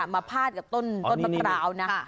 มาพาดกับต้นประพราว